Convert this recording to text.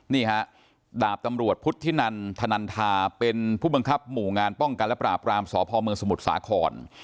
นี่ฮะดาบตำรวจพุทธินันธนันทาเป็นผู้บังคับหมู่งานป้องกันและปราบรามสพเมืองสมุทรสาคร